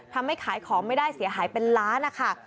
ทำให้ขายของไม่ได้เสียหายเป็นล้านนะคะ